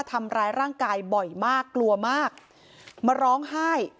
ทำร้ายร่างกายบ่อยมากกลัวมากมาร้องไห้